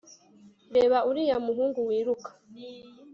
reba uriya muhungu wiruka